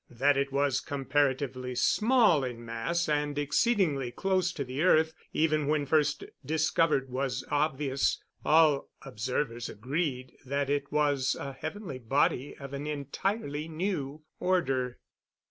That it was comparatively small in mass and exceedingly close to the earth, even when first discovered, was obvious. All observers agreed that it was a heavenly body of an entirely new order.